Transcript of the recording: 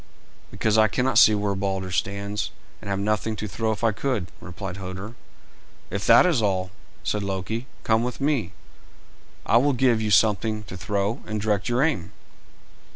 "Because I cannot see where Balder stands, and have nothing to throw if I could," replied Hoder. "If that is all," said Loki, "come with me. I will give you something to throw, and direct your aim."